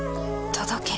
届け。